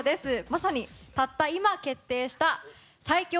まさにたった今決定した最強！